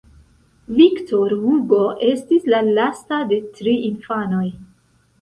Victor Hugo estis la lasta de tri infanoj.